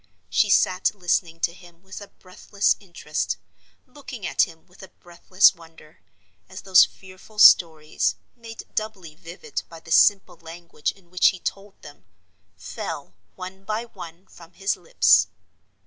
She sat listening to him with a breathless interest, looking at him with a breathless wonder, as those fearful stories—made doubly vivid by the simple language in which he told them—fell, one by one, from his lips.